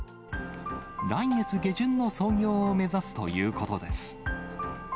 来月下旬の操業を目指すということです。